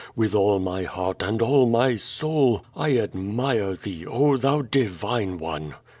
With all my heart and all my soul, I admire thee, oh, thou divine one!''